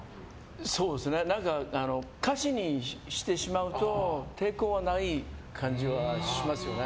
歌詞にしてしまうと抵抗はない感じはしますよね。